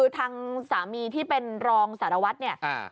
ทางสามีที่เป็นรองสารวัตรเนี่ย